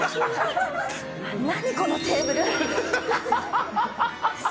何このテーブル。